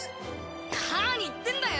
なに言ってんだよ